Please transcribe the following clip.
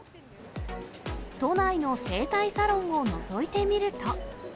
都内の整体サロンをのぞいてみると。